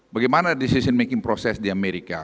bagaimana decision making process di amerika